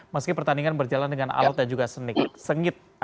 meski pertandingan berjalan dengan alat dan juga sengit